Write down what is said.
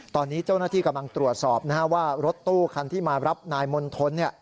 ตอนนี้เจ้าหน้าที่กำลังตรวจสอบว่ารถตู้คันที่มารับนายมณฑล